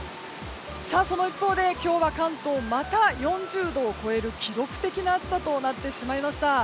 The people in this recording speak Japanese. その一方で、今日は関東また４０度を超える記録的な暑さとなってしまいました。